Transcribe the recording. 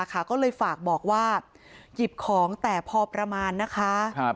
ก็เลยฝากบอกว่าหยิบของแต่พอประมาณนะคะ